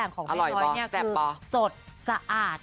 ถ้ากินน่าจะเหนื่อยที่สุด